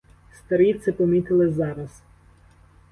Старі це помітили зараз.